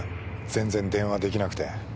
全然電話できなくて。